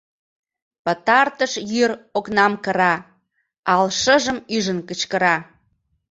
Пытартыш йӱр окнам кыра, Ал шыжым ӱжын кычкыра.